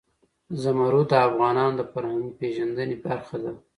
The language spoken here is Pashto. زمرد د افغانانو د فرهنګي پیژندنې برخه ده.